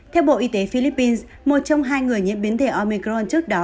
theo bộ y tế philippines một trong hai người nhiễm biến thể omicron trước đó